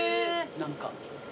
何か。